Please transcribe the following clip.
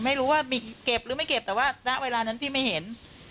ไม่รู้ว่ามีเก็บหรือไม่เก็บแต่ว่าณเวลานั้นพี่ไม่เห็น